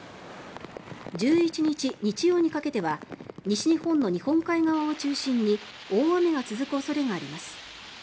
１１日、日曜にかけては西日本の日本海側を中心に大雨が続く恐れがあります。